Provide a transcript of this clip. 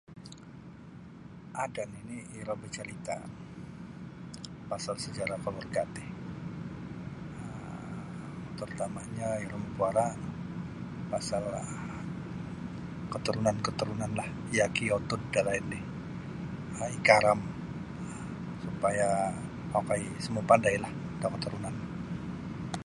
Ada' nini' iro bacarita' pasal sejarah kaluarga' ti um terutamanyo iro mapuara' pasal katurunan-katurunanlah yaki yotud dalaid ri um ikaram supaya okoi sumipandai da katurunan.